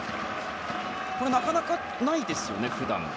これはなかなかないですよね、普段は。